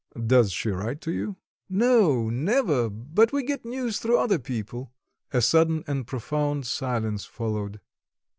"Does she write to you?" "No, never; but we get news through other people." A sudden and profound silence followed.